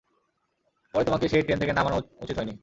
পরে তোমাকে সেই ট্রেন থেকে নামানো উচিত হয় নি।